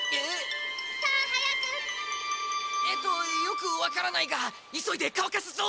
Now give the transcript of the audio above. えっとよくわからないがいそいでかわかすぞ！